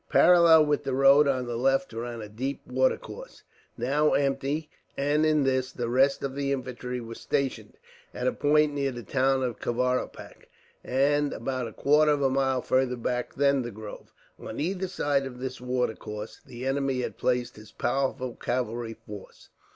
Parallel with the road on the left ran a deep watercourse, now empty, and in this the rest of the infantry were stationed, at a point near the town of Kavaripak, and about a quarter of a mile further back than the grove. On either side of this watercourse the enemy had placed his powerful cavalry force.